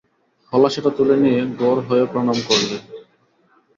হলা সেটা তুলে নিয়ে গড় হয়ে প্রণাম করলে।